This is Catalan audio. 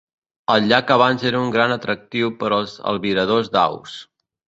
El llac abans era un gran atractiu per als albiradors d'aus.